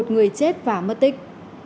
một mươi một người chết và mất tích